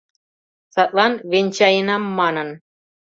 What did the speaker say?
Садлан «венчаенам» манын.